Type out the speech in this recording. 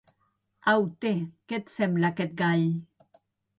Au té, què et sembla aquest gall?